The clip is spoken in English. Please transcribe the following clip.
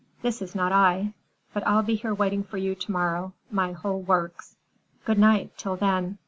This is not I. But I'll be here waiting for you to morrow, my whole works! Goodnight, till then."